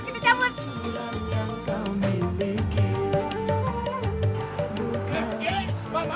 bisa di bawa